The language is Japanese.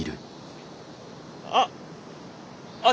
あっ！